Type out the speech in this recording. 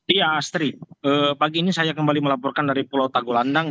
iya astri pagi ini saya kembali melaporkan dari pulau tagolandang